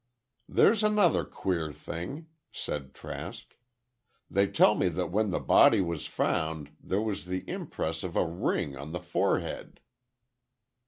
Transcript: "There's another queer thing," said Trask. "They tell me that when the body was found there was the impress of a ring on the forehead."